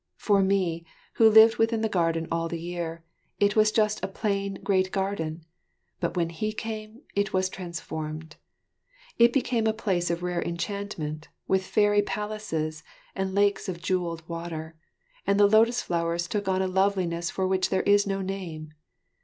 For me, who lived within the garden all the year, it was just a plain, great garden; but when he came it was transformed. It became a place of rare enchantment, with fairy palaces and lakes of jewelled water, and the lotus flowers took on a loveliness for which there is no name.